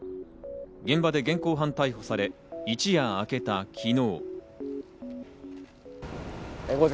現場で現行犯逮捕され、一夜明けた昨日。